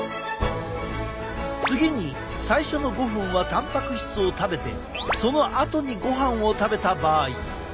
次に最初の５分はたんぱく質を食べてそのあとにごはんを食べた場合。